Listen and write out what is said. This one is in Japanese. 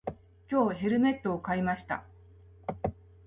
今日、ヘルメットを買いました。